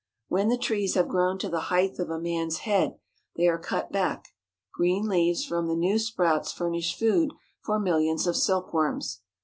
When the trees have grown to the height of a man's head, they are cut back. Green leaves from the new sprouts furnish food for millions of silkworms.